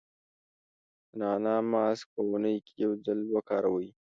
د نعناع ماسک په اونۍ کې یو ځل وکاروئ.